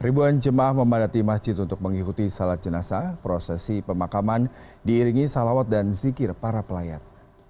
ribuan jemaah memadati masjid untuk mengikuti salat jenazah prosesi pemakaman diiringi salawat dan zikir para pelayat